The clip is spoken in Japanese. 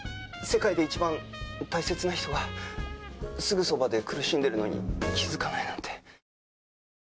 世界で一番大切な人がすぐそばで苦しんでいるのに気付かないなんて。